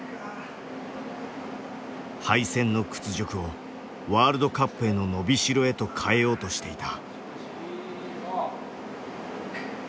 敗戦の屈辱をワールドカップへの伸びしろへと変えようとしていた。